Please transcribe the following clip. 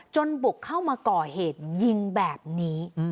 บุกเข้ามาก่อเหตุยิงแบบนี้